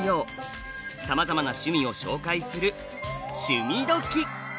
さまざまな趣味を紹介する「趣味どきっ！」